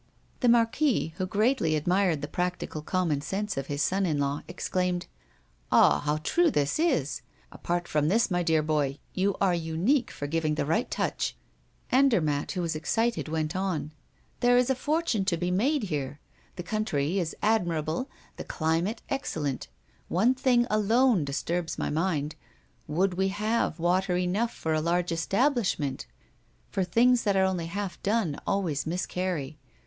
The Marquis, who greatly admired the practical common sense of his son in law, exclaimed: "Ah! how true this is! Apart from this, my dear boy, you are unique for giving the right touch." Andermatt, who was excited, went on: "There is a fortune to be made here. The country is admirable, the climate excellent. One thing alone disturbs my mind would we have water enough for a large establishment? for things that are only half done always miscarry.